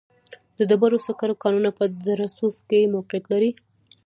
د ډبرو سکرو کانونه په دره صوف کې موقعیت لري.